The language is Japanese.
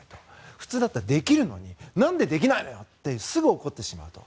普通だったらできるのになんでできないのよ！ってすぐ怒ってしまうと。